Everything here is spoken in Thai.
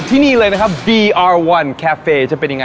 อีกอย่าง